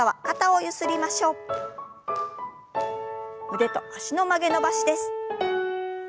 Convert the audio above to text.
腕と脚の曲げ伸ばしです。